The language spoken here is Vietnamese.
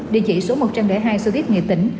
địa chỉ số một trăm linh hai sư viết nghệ tỉnh